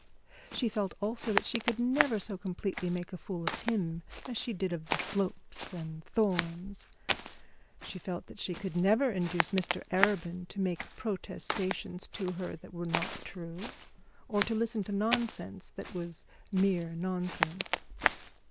She felt also that she could never so completely make a fool of him as she did of the Slopes and the Thornes. She felt that she could never induce Mr Arabin to make protestations to her that were not true, or to listen to nonsense that was mere nonsense.